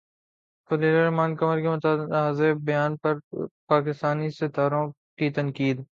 خلیل الرحمن قمر کے متنازع بیان پر پاکستانی ستاروں کی تنقید